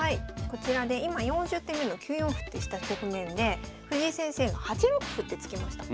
こちらで今４０手目の９四歩ってした局面で藤井先生が８六歩って突きました。